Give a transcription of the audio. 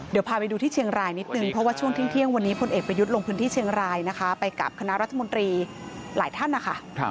เดี๋ยวขอพูดเรื่องแรกก่อนที่หลายคนอาจจะรอดู